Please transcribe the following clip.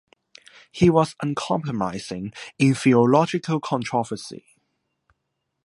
He was uncompromising in theological controversy.